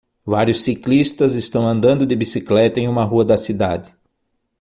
Vários ciclistas estão andando de bicicleta em uma rua da cidade.